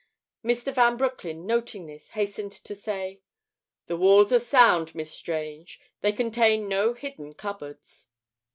Mr. Van Broecklyn, noting this, hastened to say: "The walls are sound, Miss Strange. They contain no hidden cupboards."